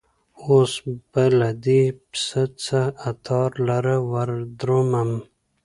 اوس به له دې پسه څه عطار لره وردرومم